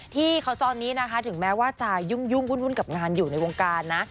ที่เขาตอนนี้นะคะถึงแม้ว่าจะยุ่งวุ่นกับงานอยู่ในวงการนะ